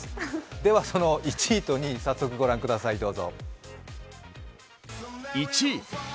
では、その１位と２位、早速御覧ください、どうぞ。